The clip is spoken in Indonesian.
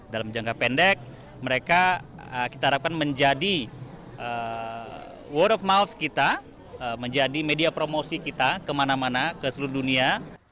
dalam jangka pendek mereka kita harapkan menjadi world of mouth kita menjadi media promosi kita kemana mana ke seluruh dunia